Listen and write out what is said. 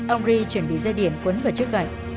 ông ri chuẩn bị dây điện quấn vào chiếc gậy